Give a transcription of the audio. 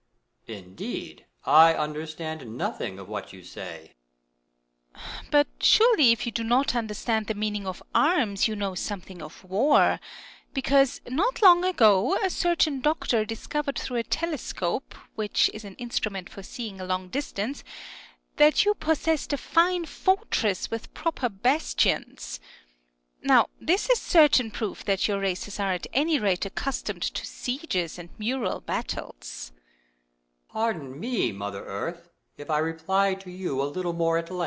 Indeed, I understand nothing of what you say. Earth. But surely if you do not understand the mean ing of arms, you know something of war ; because, not long ago, a certain doctor discovered through a tele scope, which is an instrument for seeing a long distance, that you possessed a fine fortress with proper bastions. Now this is certain proof that your races are at any rate accustomed to sie^^es and mural battles.